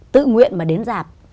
tự nguyện mà đến giảm